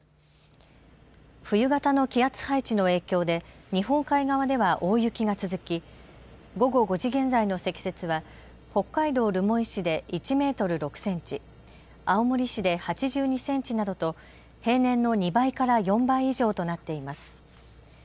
冬型の気圧配置の影響で日本海側では大雪が続き午後５時現在の積雪は北海道留萌市で１メートル６センチ青森市で８２センチなどと平年の２倍から４倍以上となっています。